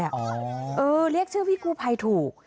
เออเรียกชื่อพี่กู้ไพ่ถูก